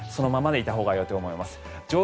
そのままでいたほうがいいと思います。